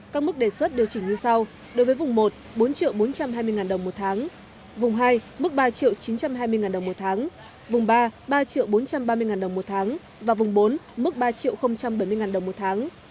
các mức đề xuất điều chỉnh như sau đối với vùng một bốn trăm hai mươi đồng một tháng vùng hai mức ba triệu chín trăm hai mươi đồng một tháng vùng ba ba triệu bốn trăm ba mươi đồng một tháng và vùng bốn mức ba triệu bảy mươi đồng một tháng